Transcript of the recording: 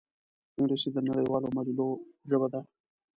انګلیسي د نړیوالو مجلو ژبه ده